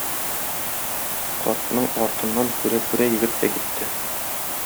Картның артыннан күрә-күрә егет тә китте.